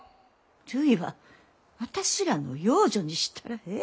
るいは私らの養女にしたらええ。